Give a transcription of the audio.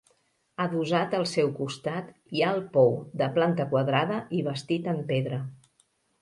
Adossat al seu costat hi ha el pou, de planta quadrada i bastit en pedra.